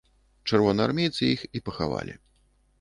Чырвонаармейцы іх і пахавалі.